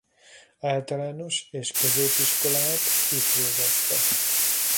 Általános és középiskolát itt végezte.